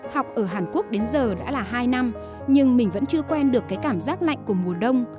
học ở hàn quốc đến giờ đã là hai năm nhưng mình vẫn chưa quen được cái cảm giác lạnh của mùa đông